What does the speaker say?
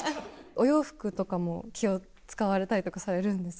お洋服とかも気を使われたりとかされるんですか？